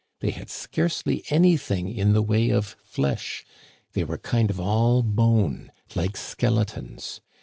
They had scarcely anything in the way of flesh ; they were kind of all bone, like skele tons.